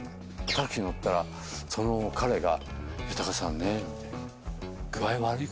タクシー乗ったらその彼が「豊さんね」